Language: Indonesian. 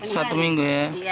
satu minggu ya